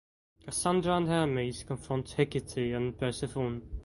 Kassandra and Hermes confront Hecate and Persephone.